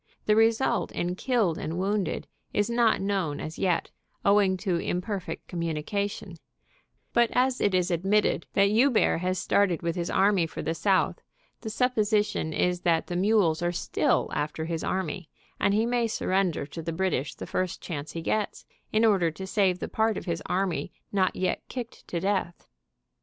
The result in killed and wounded is not known as yet, owing to imperfect communication, but as it is admitted that Joubert has started with his army for the south, the supposition is that the mules are still after his army, and he may surrender to the British the first chance he gets, in order to save the part of his army not yet kicked to death.